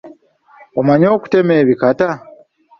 Omanyi okutema ebikata?